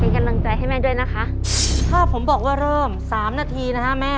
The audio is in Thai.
กำลังใจให้แม่ด้วยนะคะถ้าผมบอกว่าเริ่มสามนาทีนะฮะแม่